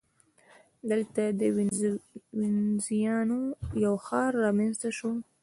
دلته د وینزیانو یو ښار رامنځته شو